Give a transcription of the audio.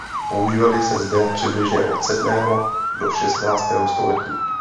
Používaly se zde přibližně od sedmého do šestnáctého století.